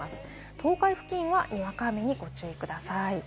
東海付近はにわか雨にご注意ください。